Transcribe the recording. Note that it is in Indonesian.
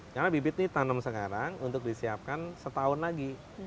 karena bibit ini tanam sekarang untuk disiapkan setahun lagi